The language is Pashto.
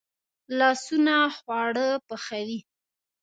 لاسونه خواړه پخوي